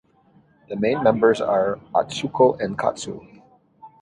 The main members are Atsuko and Katsu.